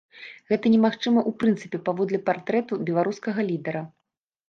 Гэта немагчыма ў прынцыпе паводле партрэту беларускага лідара.